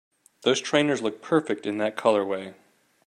Those trainers look perfect in that colorway!